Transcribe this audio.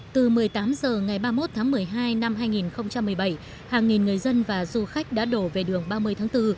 từ một mươi tám h ngày ba mươi một tháng một mươi hai năm hai nghìn một mươi bảy hàng nghìn người dân và du khách đã đổ về đường ba mươi tháng bốn